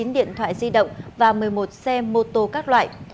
hai mươi chín điện thoại di động và một mươi một xe mô tô các loại